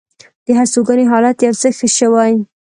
د هستوګنې حالت یو څه ښه شوی.